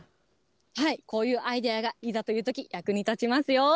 こういうアイデアがいざというとき、役に立ちますよ。